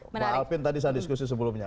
pak alpin tadi saya diskusi sebelumnya